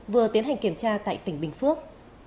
vừa tiến hành kiểm tra tại tỉnh bình phước